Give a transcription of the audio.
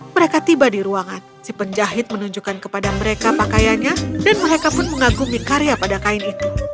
mereka tiba di ruangan si penjahit menunjukkan kepada mereka pakaiannya dan mereka pun mengagumi karya pada kain itu